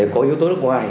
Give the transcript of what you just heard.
có yếu tố nước ngoài